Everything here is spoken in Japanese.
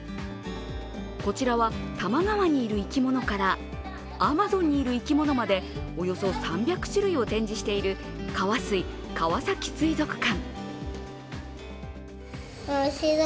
こちらは、多摩川にいる生き物からアマゾンにいる生き物までおよそ３００種類を展示しているカワスイ川崎水族館。